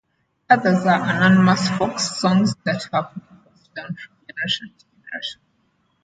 Others are anonymous folk songs that have been passed down from generation to generation.